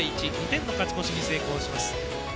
２点の勝ち越しに成功します。